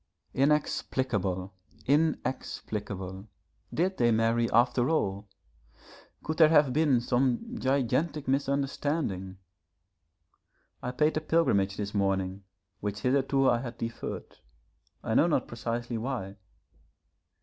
_ Inexplicable! Inexplicable! Did they marry after all? Could there have been some gigantic misunderstanding? I paid a pilgrimage this morning which hitherto I had deferred, I know not precisely why.